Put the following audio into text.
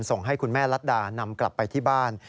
ส่งให้คุณแม่รัฐดานำกลับไปที่บ้าน